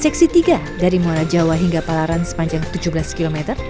seksi tiga dari muara jawa hingga palaran sepanjang tujuh belas km